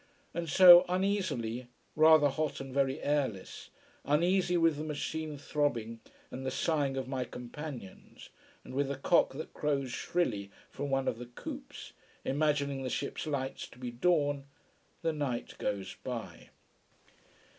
And so, uneasily, rather hot and very airless, uneasy with the machine throbbing and the sighing of my companions, and with a cock that crows shrilly from one of the coops, imagining the ship's lights to be dawn, the night goes by.